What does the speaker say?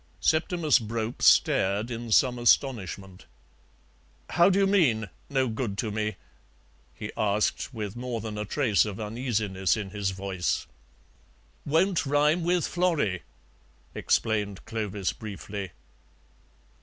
Septimus Brope stared in some astonishment. "How do you mean, no good to me?" he asked, with more than a trace of uneasiness in his voice. "Won't rhyme with Florrie," explained Clovis briefly.